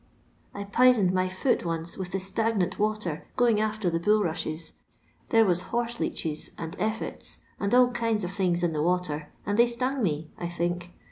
I poisoned my foot once with the stagnant water going after the bulrushes, — there was horseleeches, and efiets, and all kinds of things in the water, and they stung me, I think.